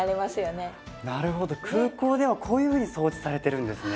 なるほど空港ではこういうふうに掃除されてるんですね。